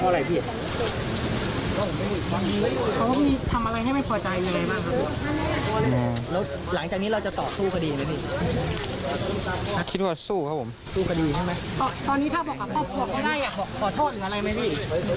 แล้วหลังจากนี้เราจะต่อสู้คดีไหมคิดว่าสู้ครับผมสู้คดีใช่ไหมตอนนี้ถ้าบอกว่าไม่ได้ขอโทษอะไรไหมพี่